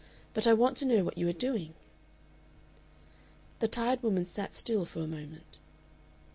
But I want to know what you are doing." The tired woman sat still for a moment.